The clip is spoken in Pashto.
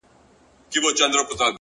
ښه چلند خاموشه ژبه ده!